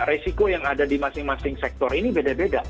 resiko yang ada di masing masing sektor ini beda beda